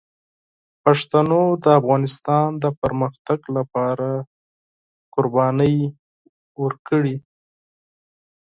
پښتنو د افغانستان د پرمختګ لپاره قربانۍ ورکړي.